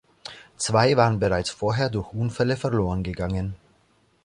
Zwei waren bereits vorher durch Unfälle verlorengegangen.